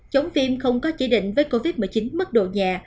chống phim không có chỉ định với covid một mươi chín mất độ nhà